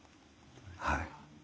はい。